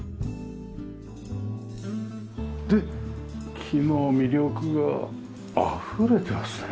で木の魅力があふれてますね。